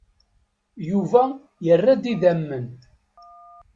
Yuba yerra-d idammen.